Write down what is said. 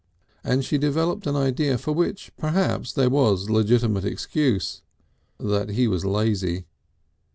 And she developed an idea for which perhaps there was legitimate excuse, that he was lazy.